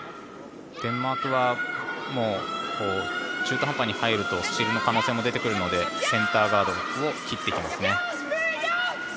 デンマークは中途半端に入るとスチールの可能性も出てくるのでセンターガードを切ってきますね。